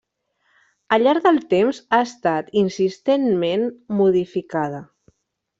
Al llarg del temps ha estat insistentment modificada.